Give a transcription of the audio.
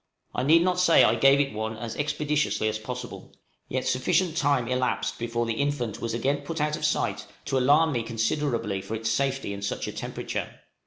I need not say I gave it one as expeditiously as possible; yet sufficient time elapsed before the infant was again put out of sight to alarm me considerably for its safety in such a temperature.